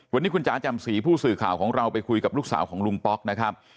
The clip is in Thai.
วันนี้คุณจ๋าจำศรีผู้สื่อข่าวของเราไปคุยกับลูกสาวของลุงป๊อกนะครับ